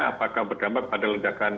apakah berdampak pada ledakannya